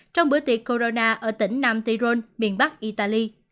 trong bữa tiệc corona ở tỉnh nam tiron miền bắc italy